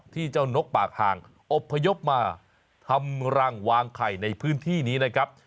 ที่เจ้านกปากห่างอบพยพมาทำรังวางไข่ในพื้นที่นี้นะครับ